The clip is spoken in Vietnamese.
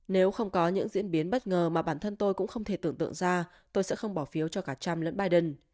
nếu không có những diễn biến bất ngờ mà bản thân tôi cũng không thể tưởng tượng ra tôi sẽ không bỏ phiếu cho cả trăm lẫn biden